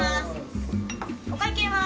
お会計は？